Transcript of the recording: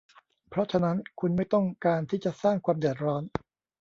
เพราะฉะนั้น คุณไม่ต้องการที่จะสร้างความเดือดร้อน